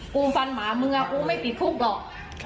กูฟันหมามือไงกูก็ไม่ติดคุกหรอก